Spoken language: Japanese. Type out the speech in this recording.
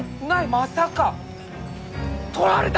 まさか！とられた！？